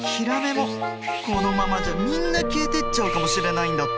このままじゃみんな消えてっちゃうかもしれないんだって。